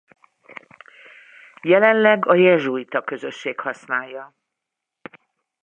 Jelenleg a jezsuita közösség használja.